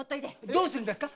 どうすんですか？